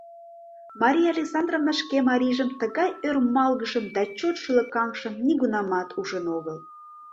Мария Александровна шке марийжым тыгай ӧрмалгышым да чот шӱлыкаҥшым нигунамат ужын огыл.